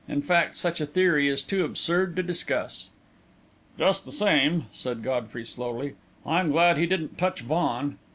"In fact, such a theory is too absurd to discuss." "Just the same," said Godfrey, slowly, "I'm glad he didn't touch Vaughan.